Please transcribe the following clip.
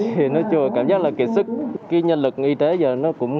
thì nói chung là cảm giác là cái sức cái nhân lực y tế giờ nó cũng